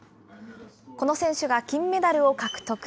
この選手が金メダルを獲得。